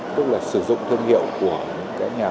tức là sử dụng thương hiệu của nhà bán